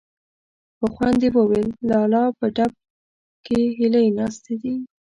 په خوند يې وويل: لالا! په ډب کې هيلۍ ناستې دي.